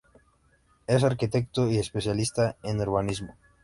Es arquitecto y especialista en urbanismo.